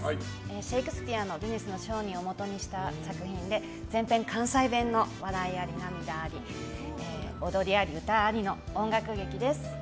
シェイクスピアの「ベニスの商人」をもとにした作品で全体に関西弁の笑いあり、涙あり踊りあり、歌ありの音楽劇です。